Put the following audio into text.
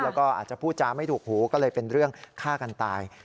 แล้วก็อาจจะพูดจาไม่ถูกหูก็เลยเป็นเรื่องฆ่ากันตาย